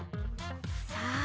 さあ